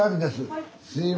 はい。